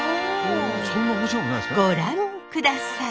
ご覧ください！